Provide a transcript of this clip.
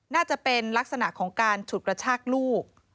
น่าจะเป็นลักษณะของการฉุดกระชากลูก